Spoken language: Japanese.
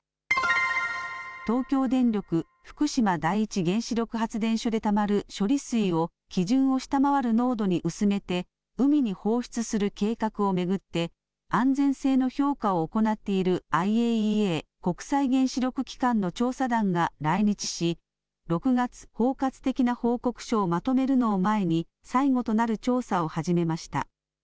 東京電力福島第一原子力発電所でたまる処理水を、基準を下回る濃度に薄めて、海に放出する計画を巡って、安全性の評価を行っているＩＡＥＡ・国際原子力機関の調査団が来日し、６月、包括的な報告書をまとめるのを前に、最後となる調査を始めました。